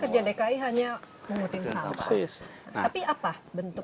jadi kerja dki hanya mengutin sampah